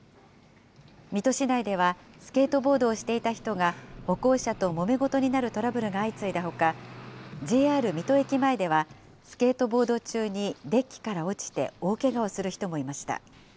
水戸市内では、スケートボードをしていた人が歩行者ともめごとになるトラブルが相次いだほか、ＪＲ水戸駅前では、スケートボード中にデッキから落ちて大けがをする人もいました。